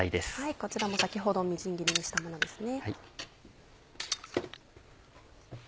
こちらも先ほどみじん切りにしたものですね。